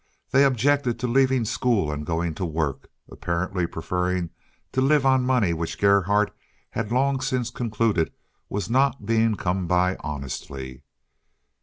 They objected to leaving school and going to work, apparently preferring to live on money which Gerhardt had long since concluded was not being come by honestly.